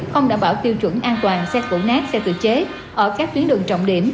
không đảm bảo tiêu chuẩn an toàn xe cổ nát xe tự chế ở các tuyến đường trọng điểm